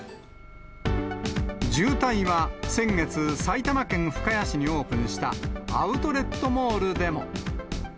渋滞は、先月、埼玉県深谷市にオープンしたアウトレットモールでも。